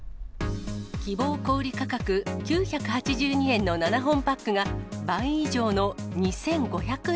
希望小売り価格９８２円の７本パックが、倍以上の２５００円。